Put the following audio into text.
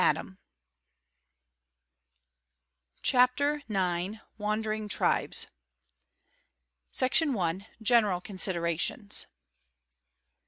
tal Oe CHAPTER IX. ' WANDERING TRIBES. Section i.—General considerations.